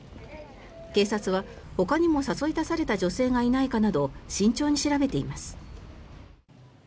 警察はほかにも誘い出された女性がいないかなど慎重に調べています。